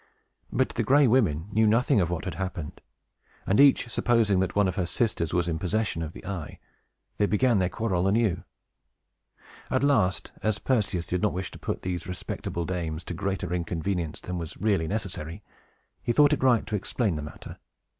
But the Gray Women knew nothing of what had happened; and, each supposing that one of her sisters was in possession of the eye, they began their quarrel anew. At last, as Perseus did not wish to put these respectable dames to greater inconvenience than was really necessary, he thought it right to explain the matter.